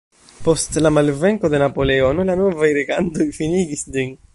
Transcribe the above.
Post la malvenko de Napoleono, la novaj regantoj finigis ĝin.